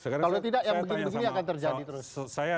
kalau tidak yang begini begini akan terjadi terus